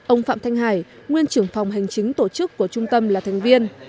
ông phạm thanh hải nguyên trưởng phòng hành chính tổ chức của trung tâm là thành viên